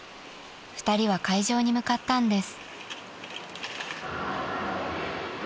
２人は会場に向かったんです］